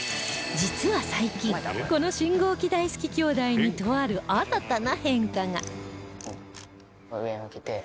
実は最近この信号機大好き兄弟にとある新たな変化が